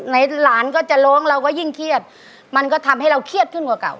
หลานก็จะร้องเราก็ยิ่งเครียดมันก็ทำให้เราเครียดขึ้นกว่าเก่า